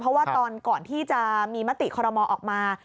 เพราะว่าตอนก่อนที่จะมีมติคอรมอออกมา